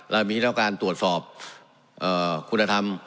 เรามีเท่าการตรวจสอบคุณธรรม